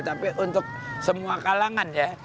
tapi untuk semua kalangan ya